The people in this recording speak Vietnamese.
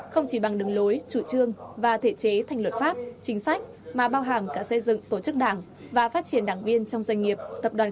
không chỉ bằng đứng lối chủ trương và thể chế thành luật pháp chính sách mà bao hàng cả xây dựng tổ chức đảng và phát triển đảng việt nam